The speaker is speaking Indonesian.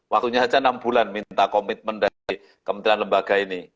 waktunya saja enam bulan minta komitmen dari kementerian lembaga ini